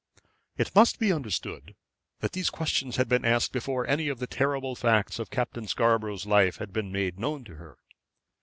It must be understood that these questions had been asked before any of the terrible facts of Captain Scarborough's life had been made known to her.